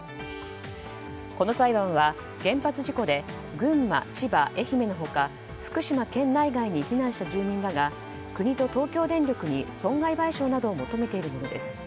この裁判は原発事故で群馬、千葉、愛媛の他福島県内外に避難した住民らが国と東京電力に損害賠償などを求めているものです。